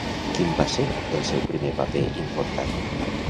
Quin va ser el seu primer paper important?